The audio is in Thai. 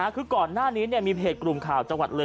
คือก่อนหน้านี้มีเพจกลุ่มข่าวจังหวัดเลย